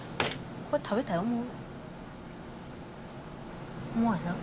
これ食べたい思う？